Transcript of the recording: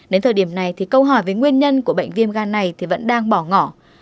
đến thời điểm này thì câu hỏi về nguyên nhân của bệnh viêm gan này vẫn đang bỏ ngỏ